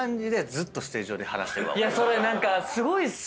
それ何かすごいっす。